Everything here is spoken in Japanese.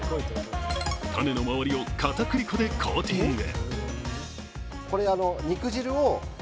タネの周りをかたくり粉でコーティング。